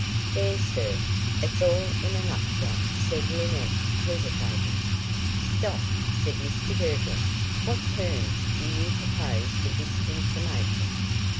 "There, sir, it's all in a nutshell," said Linnett, hesitating. "Stop!" said Mr Girtle. "What terms do you propose for this information?"